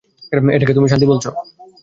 এটাকে তুমি শান্তি বলছ?